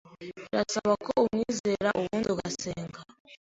birasaba ko umwizera ubundi ugasenga,